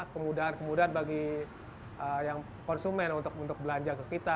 kemudahan kemudahan bagi konsumen untuk belanja ke kita